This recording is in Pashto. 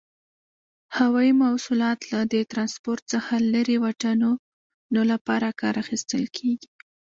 هوایي مواصلات له دې ترانسپورت څخه لري واټنونو لپاره کار اخیستل کیږي.